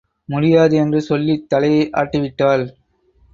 முடியாது என்று சொல்லித் தலையை ஆட்டி விட்டாள்.